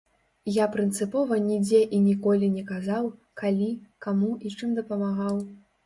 Я прынцыпова нідзе і ніколі не казаў, калі, каму і чым дапамагаў.